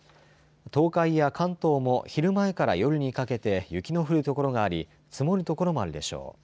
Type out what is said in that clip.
東海や関東も昼前から夜にかけて雪の降る所があり積もる所もあるでしょう。